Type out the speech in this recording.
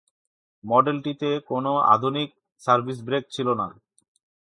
Model টি তে কোন আধুনিক সার্ভিস ব্রেক ছিল না।